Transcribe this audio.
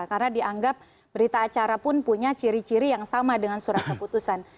karena dianggap berita acara pun punya ciri ciri yang sama dengan surat keputusan